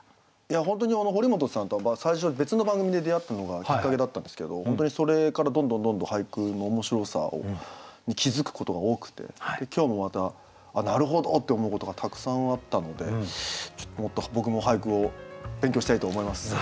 本当に堀本さんとは最初別の番組で出会ったのがきっかけだったんですけど本当にそれからどんどんどんどん俳句の面白さに気付くことが多くて今日もまた「なるほど！」って思うことがたくさんあったのでもっと僕も俳句を勉強したいと思います。